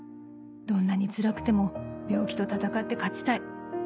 どんなにつらくても病気と闘って勝ちたい。